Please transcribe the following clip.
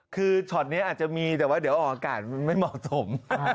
คือช็อตนี้อาจจะมีแต่ว่าเดี๋ยวออกอากาศมันไม่เหมาะสม